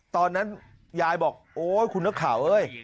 ตอนนั้นยายบอกโอ๊ยคุณนักข่าวเอ้ย